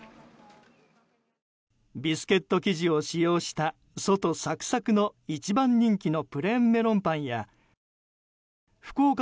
ビスケット生地を使用した外サクサクの一番人気のプレーンメロンパンや福岡